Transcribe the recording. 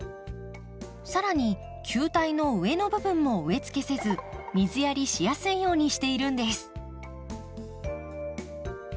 更に球体の上の部分も植えつけせず水やりしやすいようにしているんです。